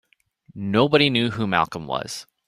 Nobody knew who Malcolm was.